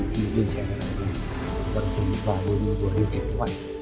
khi lên xe thì vẫn tùy vào nguồn điều trị của bạn